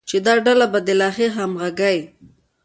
چې دا ډله به د لا ښې همغږۍ،